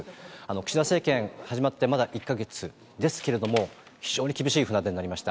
岸田政権始まって、まだ１か月ですけれども、非常に厳しい船出になりました。